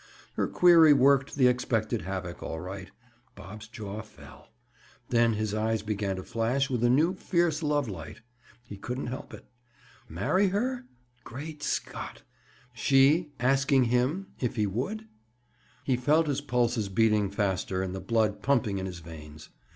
Her query worked the expected havoc, all right. Bob's jaw fell. Then his eyes began to flash with a new fierce love light. He couldn't help it. Marry her?—Great Scott!—She, asking him, if he would? He felt his pulses beating faster and the blood pumping in his veins.